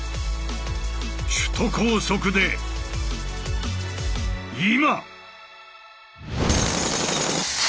首都高速で今！